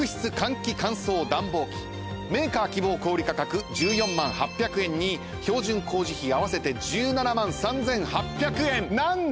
メーカー希望小売価格１４万８００円に標準工事費合わせて１７万３，８００円なんですが！